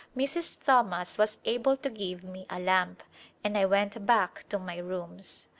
Mrs. Thomas was able to give me a lamp and I went back to my rooms.